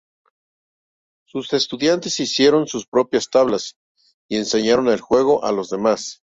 Sus estudiantes hicieron sus propias tablas, y enseñaron el juego a los demás.